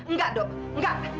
nggak do nggak